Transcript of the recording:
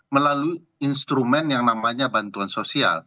melalui instrumen yang namanya bantuan sosial